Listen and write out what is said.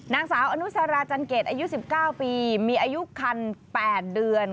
นางสาวอนุสาราจันเกตอายุ๑๙ปีมีอายุคัน๘เดือน